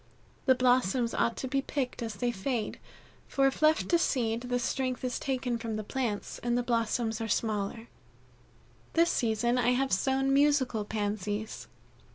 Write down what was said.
The blossoms ought to be picked as they fade, for if left to seed the strength is taken from the plants and the blossoms are smaller. This season I have sown musical Pansies.